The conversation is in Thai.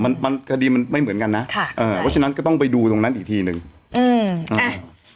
มันมันคดีมันไม่เหมือนกันนะค่ะเอ่อเพราะฉะนั้นก็ต้องไปดูตรงนั้นอีกทีหนึ่งอืมอ่า